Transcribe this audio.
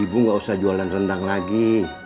ibu nggak usah jualan rendang lagi